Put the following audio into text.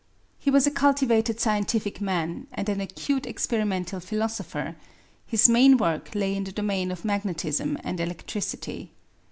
He was a cultivated scientific man, and an acute experimental philosopher; his main work lay in the domain of magnetism and electricity.